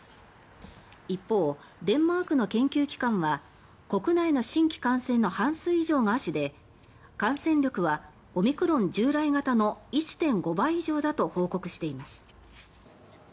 一方、デンマークの研究機関は国内の新規感染の半数以上が亜種で感染力はオミクロン従来型の１．５倍以上だと報告しています。